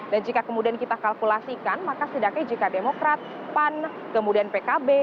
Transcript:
dan jika kemudian kita kalkulasikan maka setidaknya jika demokrat pan kemudian pkb